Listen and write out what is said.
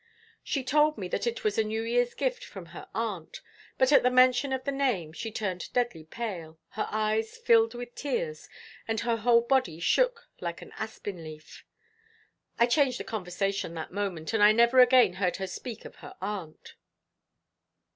She told me that it was a New Year's gift from her aunt, but at the mention of the name she turned deadly pale, her eyes filled with tears, and her whole body shook like an aspen leaf. I changed the conversation that moment, and I never again heard her speak of her aunt."